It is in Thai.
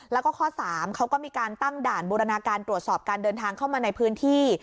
แล้วก็ข้อ๓เขาก็มีการตั้งด่านบูรณาการตรวจสอบการเดินทางเข้ามาในพื้นที่